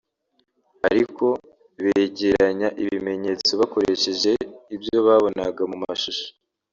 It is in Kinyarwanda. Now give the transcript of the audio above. ariko begeranya ibimenyetso bakoresheje ibyo babonaga mu mashusho